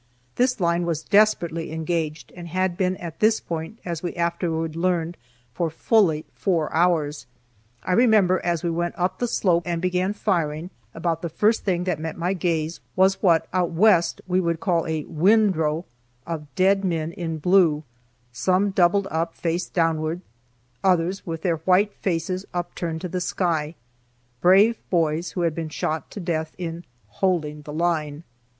This line was desperately engaged, and had been at this point, as we afterwards learned, for fully four hours. I remember as we went up the slope and began firing, about the first thing that met my gaze was what out West we would call a "windrow" of dead men in blue; some doubled up face downward, others with their white faces upturned to the sky, brave boys who had been shot to death in "holding the line."